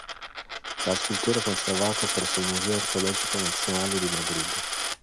La scultura è conservata presso il Museo Archeologico Nazionale di Madrid.